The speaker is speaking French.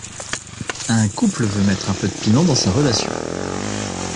Un couple veut mettre un peu de piment dans sa relation.